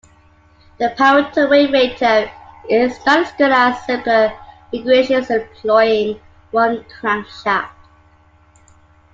The power-to-weight ratio is not as good as simpler configurations employing one crankshaft.